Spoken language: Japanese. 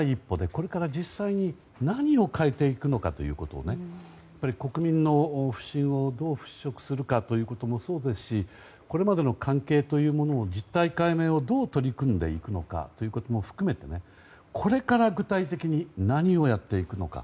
これから実際に、何を変えていくのかということをね国民の不信をどう払拭するかということもそうですしこれまでの関係というものの実態解明にどう取り組んでいくのかも含めてこれから、具体的に何をやっていくのか。